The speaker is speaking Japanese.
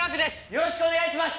よろしくお願いします